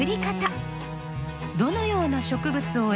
どのような植物を選び